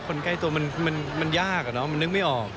คนใกล้ตัวมันยากอะเนาะมันนึกไม่ออก